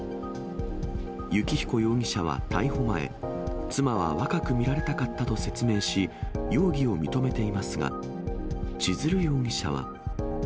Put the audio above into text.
幸彦容疑者は逮捕前、妻は若く見られたかったと説明し、容疑を認めていますが、千鶴容疑者は。